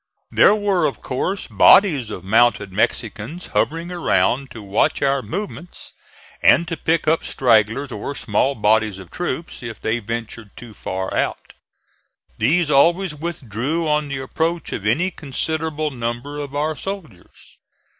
There were, of course, bodies of mounted Mexicans hovering around to watch our movements and to pick up stragglers, or small bodies of troops, if they ventured too far out. These always withdrew on the approach of any considerable number of our soldiers.